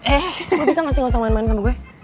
eh lo bisa gak sih gak usah main main sama gue